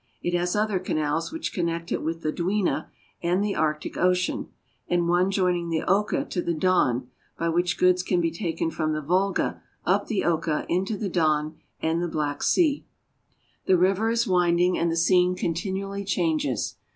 It has other canals which connect it with the Dwina and the Arctic Ocean, and one joining the Oka to the Don, by which goods can be taken from the Volga, up the Oka, into the Don and the Black Sea. The river is winding, and the scene continually changes.